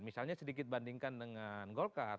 misalnya sedikit bandingkan dengan golkar